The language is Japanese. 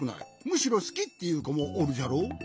むしろすき！」っていうこもおるじゃろ？